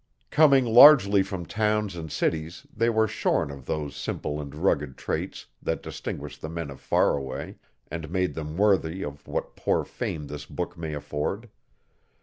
Coming largely from towns and cities they were shorn of those simple and rugged traits, that distinguished the men o' Faraway, and made them worthy of what poor fame this book may afford.